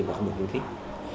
mà không được thích